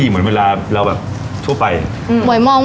พี่หมวยถึงได้ใจอ่อนมั้งค่ะ